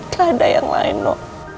tidak ada yang lain ma